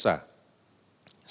sejak tingkat kota